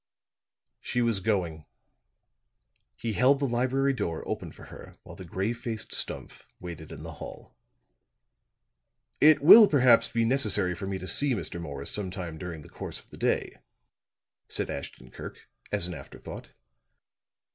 She was going; he held the library door open for her while the grave faced Stumph waited in the hall. "It will, perhaps, be necessary for me to see Mr. Morris sometime during the course of the day," said Ashton Kirk, as an afterthought.